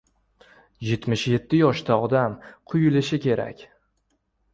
Yetmish yetti yoshda odam quyi-lishi kerak.